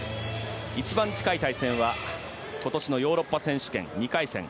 一番近い対戦は今年のヨーロッパ選手権２回戦。